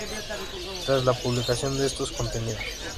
tras la publicación de estos contenidos